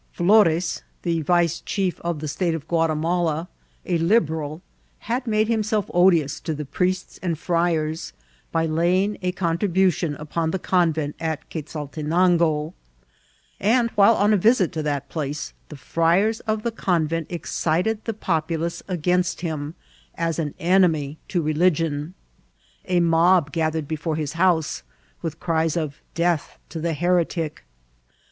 Flores, the vice chief of the State of Guatimala, a Liberal, had made himself odious to the priests and firi ars by laying a contribution upon the convent at Quez altenango ; and while on a visit to that place the fri ars of the convent excited the populace against him, as an enemy to religion. A mob gathered before his house, with cries of Death to the heretic